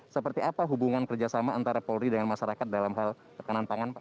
seperti apa hubungan kerjasama antara polri dengan masyarakat dalam hal tekanan pangan pak